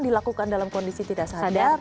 dilakukan dalam kondisi tidak sadar